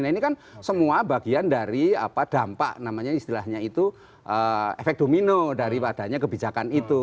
nah ini kan semua bagian dari dampak namanya istilahnya itu efek domino daripadanya kebijakan itu